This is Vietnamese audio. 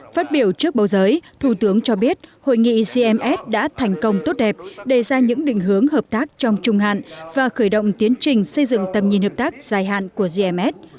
phát biểu trước bầu giới thủ tướng cho biết hội nghị gms đã thành công tốt đẹp đề ra những định hướng hợp tác trong trung hạn và khởi động tiến trình xây dựng tầm nhìn hợp tác dài hạn của gms